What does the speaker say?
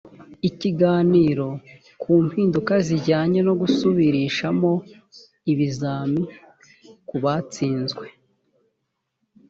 ikiganiro ku mpinduka zijyanye no gusubirishamo ibizami kubatsinzwe.